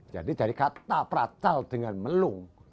jadi dari kata pracal dengan melung